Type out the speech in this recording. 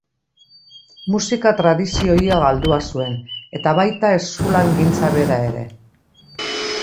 Musika-tradizio ia galdua zuen, eta baita eskulangintza bera ere.